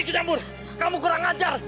kamu kurang ajar